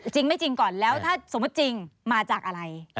จริงไม่จริงก่อนแล้วถ้าสมมุติจริงมาจากอะไร